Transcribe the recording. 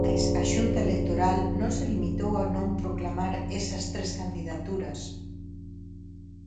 Mais a Xunta Electoral non se limitou a non proclamar esas tres candidaturas.